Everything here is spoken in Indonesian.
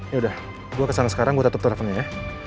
yaudah gue kesana sekarang gue tetep teleponnya ya